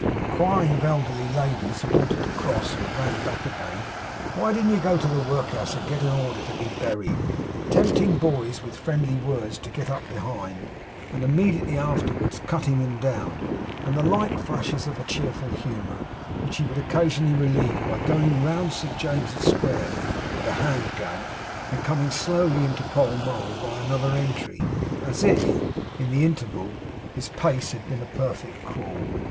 inquiring of elderly ladies who wanted to cross, and ran back again, 'Why they didn't go to the workhouse and get an order to be buried?' tempting boys, with friendly words, to get up behind, and immediately afterwards cutting them down; and the like flashes of a cheerful humour, which he would occasionally relieve by going round St. James's Square at a hand gallop, and coming slowly into Pall Mall by another entry, as if, in the interval, his pace had been a perfect crawl.